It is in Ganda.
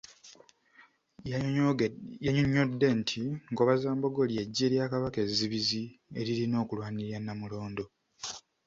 Yannyonnyodde nti Nkobazambogo ly'eggye lya Kabaka ezzibizi eririna okulwanirira Nnamulondo